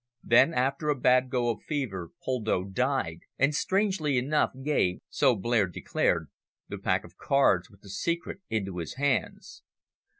Then after a bad go of fever Poldo died, and strangely enough gave so Blair declared the pack of cards with the secret into his hands.